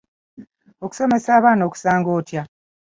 Okusomesa abaana okusanga otya?